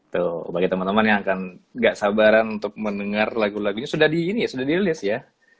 tuh bagi teman teman yang akan gak sabaran untuk mendengar lagu lagunya sudah di ini ya sudah dirilis ya